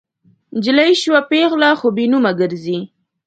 نجلۍ شوه پیغله خو بې نومه ګرزي